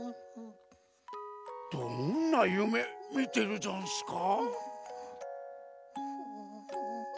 どんなゆめみてるざんすか？